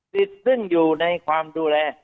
สิทธิ์ซึ่งอยู่ในความดูแล